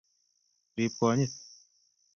riib konyit